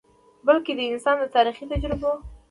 بلکه د انسان د تاریخي تجربو ،